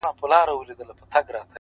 مهرباني خاموشه اغېز لري،